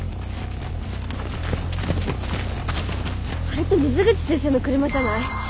あれって水口先生の車じゃない？